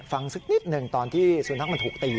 ฟังซึกนิดหนึ่งตอนสุนทรัพย์มันถูกตี